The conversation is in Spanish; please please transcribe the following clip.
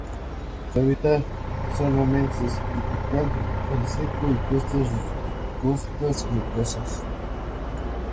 Sus hábitats son montes subtropical o tropical seco, y costas rocosas.